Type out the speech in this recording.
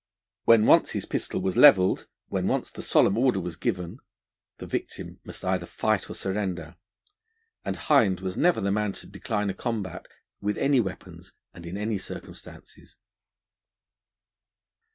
When once his pistol was levelled, when once the solemn order was given, the victim must either fight or surrender; and Hind was never the man to decline a combat with any weapons and in any circumstances.